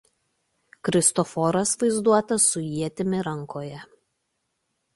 Kristoforas vaizduotas su ietimi rankoje.